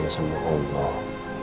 pasrahkan semuanya sama allah